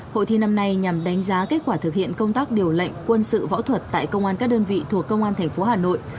hội thi năm nay nhằm đánh giá kết quả thực hiện công tác điều lệnh quân sự võ thuật tại công an các đơn vị thuộc công an tp hà nội